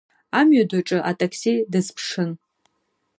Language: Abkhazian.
Амҩаду аҿы атакси дазԥшын.